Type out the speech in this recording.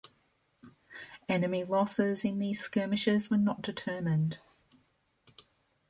Enemy losses in these skirmishes were not determined.